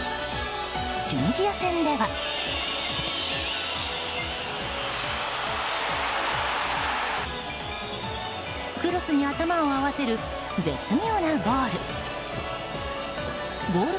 チュニジア戦ではクロスに頭を合わせる絶妙なゴール。